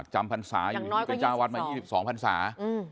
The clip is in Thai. จำพันศาอยู่อยู่กับเจ้าวัดมา๒๒พันศา